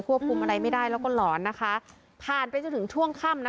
คุมอะไรไม่ได้แล้วก็หลอนนะคะผ่านไปจนถึงช่วงค่ำนะ